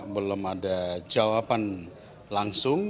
belum ada jawaban langsung